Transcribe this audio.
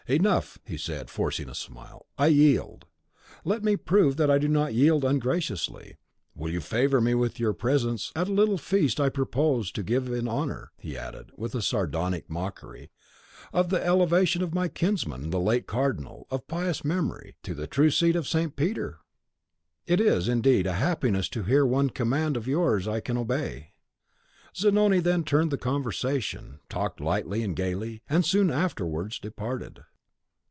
"Enough!" he said, forcing a smile; "I yield. Let me prove that I do not yield ungraciously; will you favour me with your presence at a little feast I propose to give in honour," he added, with a sardonic mockery, "of the elevation of my kinsman, the late Cardinal, of pious memory, to the true seat of St. Peter?" "It is, indeed, a happiness to hear one command of yours I can obey." Zanoni then turned the conversation, talked lightly and gayly, and soon afterwards departed.